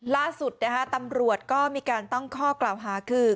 ล่าสุดนะคะตำรวจก็มีการตั้งข้อกล่าวหาคือ